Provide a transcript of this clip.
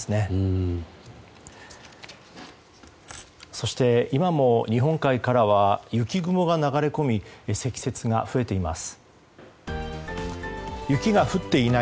そして、今も日本海からは雪雲が流れ込み積雪が増えています。